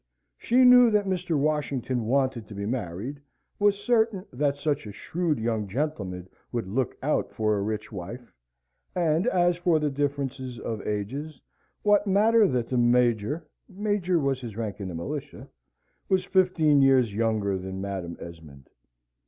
She knew that Mr. Washington wanted to be married, was certain that such a shrewd young gentleman would look out for a rich wife, and, as for the differences of ages, what matter that the Major (major was his rank in the militia) was fifteen years younger than Madam Esmond?